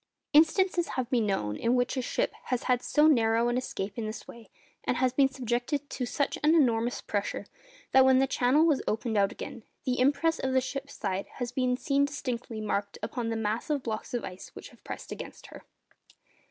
Instances have been known in which a ship has had so narrow an escape in this way, and has been subjected to such an enormous pressure, that when the channel was opened out again, the impress of the ship's side has been seen distinctly marked upon the massive blocks of ice which have pressed against her.